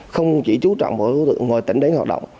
không chỉ chú trọng mỗi đối tượng ngoài tỉnh đánh hoạt động